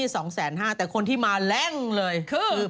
ติช่าที่๒๕๐๐บาทแต่คนที่มาแรงเลยคือ